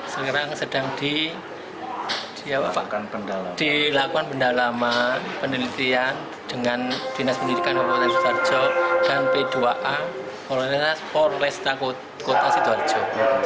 sekarang sedang dilakukan pendalaman penelitian dengan dinas pendidikan kabupaten sidoarjo dan p dua a polresta kota sidoarjo